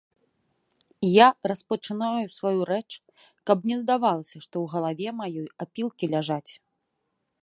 Я распачынаю сваю рэч, каб не здавалася, што ў галаве маёй апілкі ляжаць.